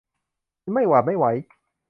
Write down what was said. ไม่หวาดไม่ไหว